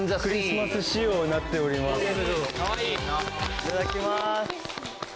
いただきます。